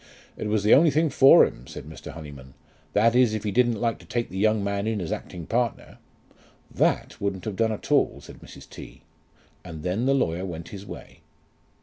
"It was the only thing for him," said Mr. Honyman; "that is if he didn't like to take the young man in as acting partner." "That wouldn't have done at all," said Mrs. T. And then the lawyer went his way.